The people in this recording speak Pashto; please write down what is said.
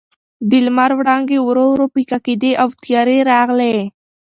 د لمر وړانګې ورو ورو پیکه کېدې او تیارې راغلې.